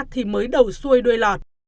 thì mới đầu xuôi đuôi lọt